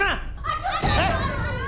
aku gak mau